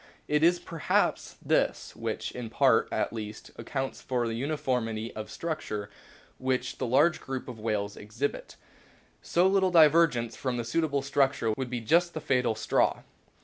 It is perhaps this which, in part at least, accounts for the uniformity of structure which the large group of whales exhibits. So little divergence from the suit able structure would be just the fatal straw.